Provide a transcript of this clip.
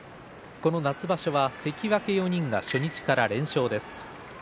この夏場所は関脇４人が初日から連勝です。